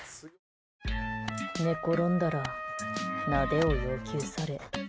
寝ころんだらなでを要求され。